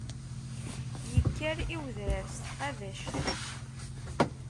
Ikker i udrar s tqabact.